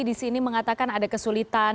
di sini mengatakan ada kesulitan